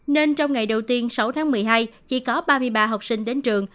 nên trong ngày đầu tiên sáu tháng một mươi hai chỉ có ba mươi ba học sinh đến trường